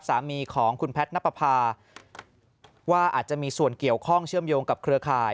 สามีของคุณแพทย์นับประภาว่าอาจจะมีส่วนเกี่ยวข้องเชื่อมโยงกับเครือข่าย